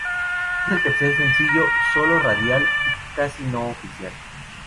Es el tercer sencillo, solo radial y casi no oficial.